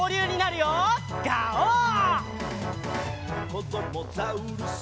「こどもザウルス